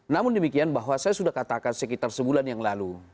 namun demikian bahwa saya sudah katakan sekitar sebulan yang lalu